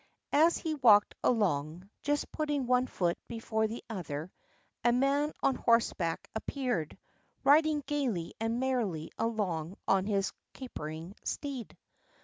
As he walked along, just putting one foot before the other, a man on horseback appeared, riding gaily and merrily along on his capering steed.